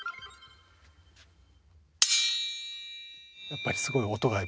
やっぱりすごい音が。